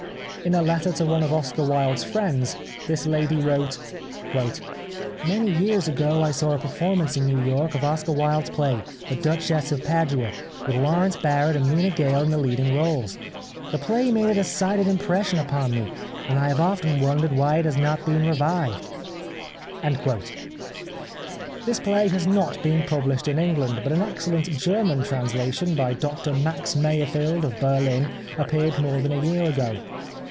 In a letter to one of Oscar Wilde's friends this lady wrote :—" Many years ago I saw a performance (in New York) of Oscar Wilde's play * The Duchess of Padua ' with Laurence Barrett and Mina Gale in the leading roles. The play made a decided impression on me, and I have often wondered why it has not been revived." This play has not been published in England, but an excellent German translation by Doctor Max Meyerfeld of Berhn appeared more than a year ago.